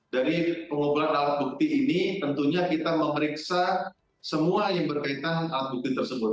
dari pengumpulan alat bukti ini tentunya kita memeriksa semua yang berkaitan alat bukti tersebut